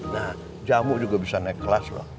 nah jamu juga bisa naik kelas lah